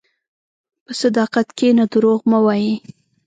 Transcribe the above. په صداقت کښېنه، دروغ مه وایې.